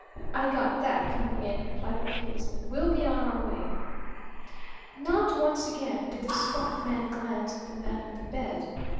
"I got that coming in," replied the policeman. "We'll be on our way." Not once again did the squat man glance at the man on the bed.